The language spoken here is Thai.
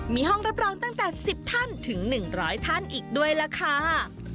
มีห้องรับรองตั้งแต่๑๐ท่านถึง๑๐๐ท่านอีกด้วยล่ะค่ะ